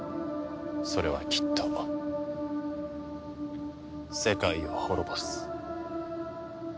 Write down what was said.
それはきっと世界を滅ぼす。